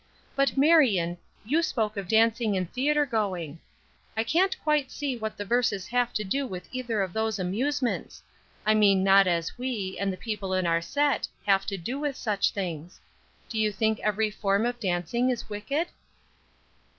But, Marion, you spoke of dancing and theatre going. I can't quite see what the verses have to do with either of those amusements; I mean not as we, and the people in our set, have to do with such things. Do you think every form of dancing is wicked?"